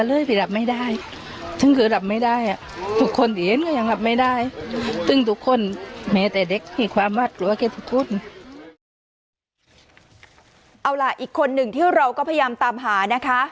เอาล่ะอีกคนหนึ่งที่เราก็พยายามตามหานะคะ